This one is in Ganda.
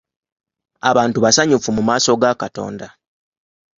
Abantu basanyufu mu maaso ga Katonda.